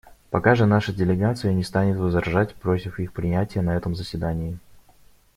Пока же наша делегация не станет возражать против их принятия на этом заседании.